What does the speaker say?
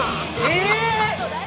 え！？